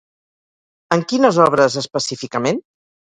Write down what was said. En quines obres específicament?